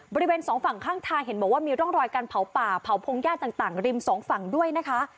บริเวณสองฝั่งข้างทางเห็นบอกว่ามีร่องรอยการเผาป่าเผาพงหญ้าต่างริมสองฝั่งด้วยนะคะ